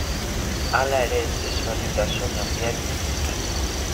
Hala ere, desberdintasun handiak dituzte.